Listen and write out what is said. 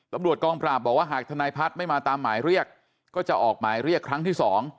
ตำรวจกองปราบบอกว่าหากทนายพัฒน์ไม่มาตามหมายเรียกก็จะออกหมายเรียกครั้งที่๒